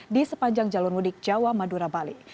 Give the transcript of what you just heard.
di sepanjang jalur mudik jawa madura bali